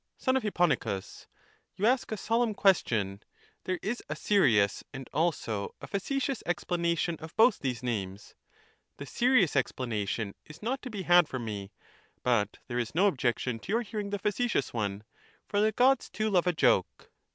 Son of Hipponicus, you ask a solemn question ; there is a serious and also a facetious explanation of both these names ; the serious explanation is not to be had from me, but there is no objection to your hearing the facetious one : for the Gods too love a joke.